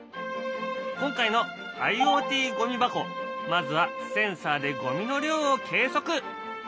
今回のＩｏＴゴミ箱まずはセンサーでゴミの量を計測。